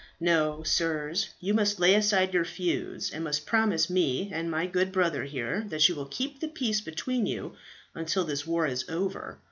No, sirs, you must lay aside your feuds, and must promise me and my good brother here that you will keep the peace between you until this war is over.